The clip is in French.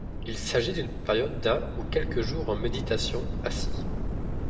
Il s'agit d'une période d'un ou quelques jours en méditation, assis.